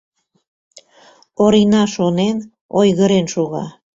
Орина шонен, ойгырен шога.